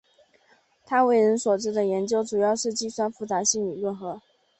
他为人所知的研究主要是计算复杂性理论和。